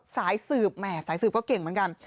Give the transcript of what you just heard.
สายสืบแหม่สายสืบก็เก่งเหมือนกัน